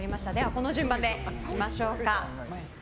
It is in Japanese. この順番でいきましょう。